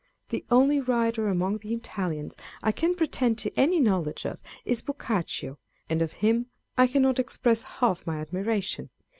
The only writer among the Italians I can pretend to any knowledge of, is Boccaccio, and of him I cannot express half my admiration.